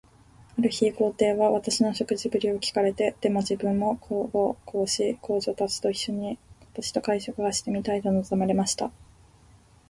ある日、皇帝は私の食事振りを聞かれて、では自分も皇后、皇子、皇女たちと一しょに、私と会食がしてみたいと望まれました。